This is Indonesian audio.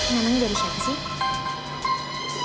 namanya dari siapa sih